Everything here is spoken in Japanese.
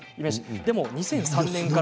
でも２００３年から。